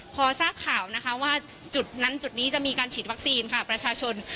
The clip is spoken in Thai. พอทราบข่าวนะคะว่าจุดนั้นจุดนี้จะมีการฉีดวัคซีนค่ะประชาชน